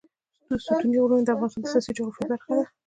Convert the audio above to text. ستوني غرونه د افغانستان د سیاسي جغرافیه برخه ده.